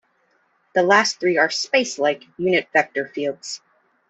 The last three are "spacelike" unit vector fields.